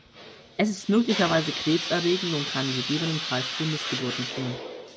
Es ist möglicherweise Krebs erregend und kann gegebenenfalls zu Missgeburten führen.